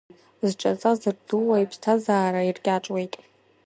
Зҿаҵа зырдууа иԥсҭазаара иркьаҿуеит.